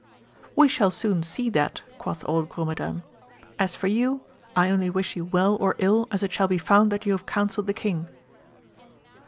We shall soon see that, quoth old Grumedan ; as for you I only wish you well or ill as it shall be found that you have counselled the king.